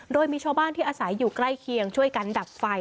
โดยมีชาวบ้านที่อาศัยอยู่ใกล้เคียงช่วยกันดับไฟ